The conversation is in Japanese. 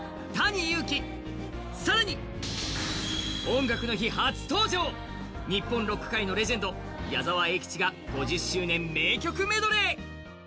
音楽の日初登場、日本ロック界のレジェンド矢沢永吉が５０周年名曲メドレー。